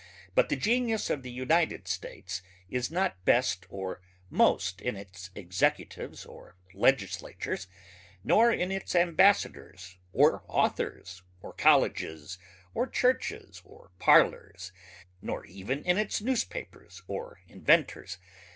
but the genius of the United States is not best or most in its executives or legislatures, nor in its ambassadors or authors or colleges or churches or parlors, nor even in its newspapers or inventors